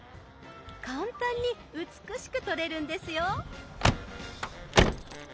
簡単に美しく撮れるんですよ。